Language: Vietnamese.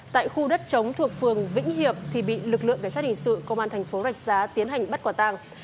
tại khu đất chống thuộc phường vĩnh hiệp thì bị lực lượng cảnh sát hình sự công an thành phố rạch giá tiến hành bắt quả tàng